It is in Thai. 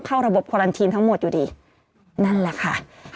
เข้าระบบคอลันทีนทั้งหมดอยู่ดีนั่นแหละค่ะ